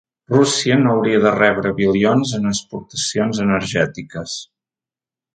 Rússia no hauria de rebre bilions en exportacions energètiques.